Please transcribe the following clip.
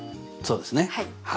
そうですね。